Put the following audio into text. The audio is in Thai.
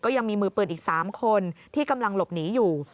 ยังมีมือปืนอีก๓คนที่กำลังหลบหนีอยู่